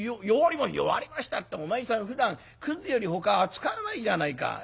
「弱りましたってお前さんふだんくずよりほかは扱わないじゃないか。